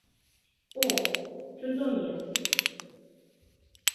О, Цезония!